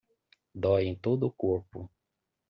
Dói em todo o corpo